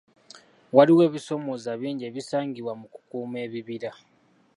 Waliwo ebisomooza bingi ebisangibwa mu ku kuuma ebibira.